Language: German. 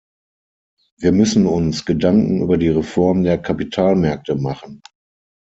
Wir müssen uns Gedanken über die Reform der Kapitalmärkte machen.